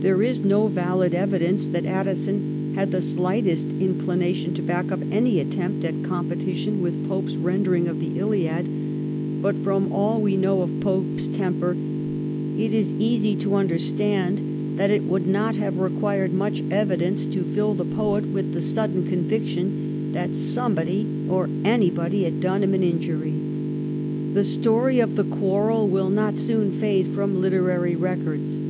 There is no valid evidence that Addison had the slightest inclination to back up any attempt at competition with Pope's rendering of the ' Hiad,' but from all we know of Pope's temper it is v2 292 THE HEIGN OF QUEEN ANNE. ch. xxxiv. easy to understand that it would not have required much evidence to fill the poet with the sudden conviction that somebody or anybody had done him an injury. The story of the quarrel will not soon fade from literary records.